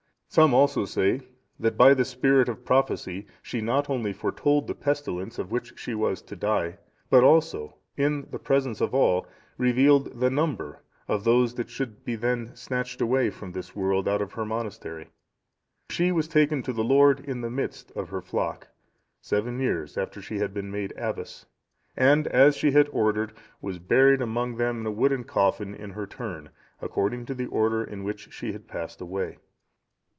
Some also say, that by the spirit of prophecy she not only foretold the pestilence of which she was to die, but also, in the presence of all, revealed the number of those that should be then snatched away from this world out of her monastery. She was taken to the Lord, in the midst of her flock, seven years after she had been made abbess; and, as she had ordered, was buried among them in a wooden coffin in her turn, according to the order in which she had passed away.